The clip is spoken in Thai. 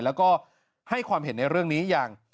แล้วก็ให้ความเห็นในเรื่องนี้อย่าง